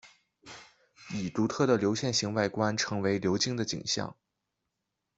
以独特的流线型外观成为流经的景象。